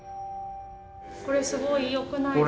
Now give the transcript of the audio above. これすごい良くないですか？